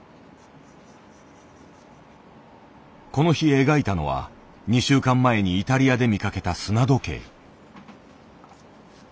この日描いたのは２週間前にイタリアで見かけた砂時計。